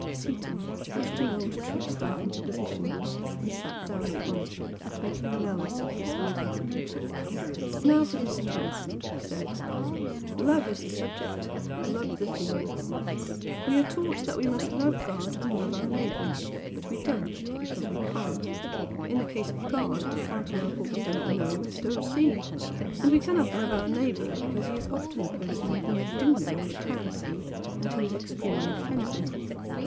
Seaton pushed an old tree stump into position and sat down upon it, making Manella sit beside him. "Now for this talk!" he said "Love is the subject, Love the theme! We are taught that we must love God and love our neighbor but we don't, because we can't! In the case of God we cannot love what we don't know and don't see, and we cannot love our neighbor because he is often a person whom we DO know and CAN see, and who is extremely offensive.